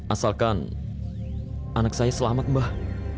asalkan anak saya selamat mbah